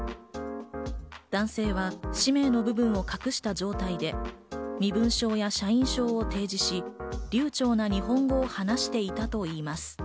男性は氏名の部分は隠した状態で身分証や社員証を提示し、流暢な日本語を話していたといいます。